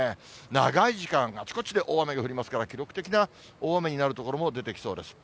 長い時間、あちこちで大雨が降りますから、記録的な大雨になる所も出てきそうです。